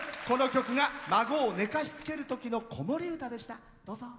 この曲が孫を寝かしつけるときの子守歌でした。